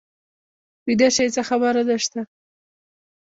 ویده شئ څه خبره نه شته.